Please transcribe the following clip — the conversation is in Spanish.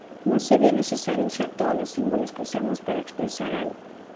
No sería necesario usar todos los símbolos que usamos para expresar algo.